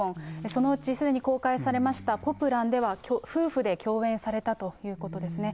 そのうちすでに公開されましたポプランでは、夫婦で共演されたということですね。